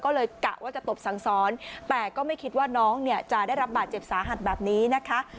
ก็เลยกะว่าจะตบสั่งซ้อนแต่ก็ไม่คิดว่าน้องเนี่ยจะได้รับบาดเจ็บสาหัสแบบนี้นะคะ